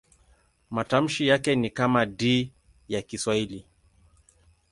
Matamshi yake ni kama D ya Kiswahili.